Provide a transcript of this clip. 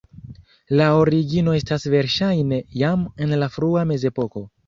La origino estas verŝajne jam en la frua mezepoko.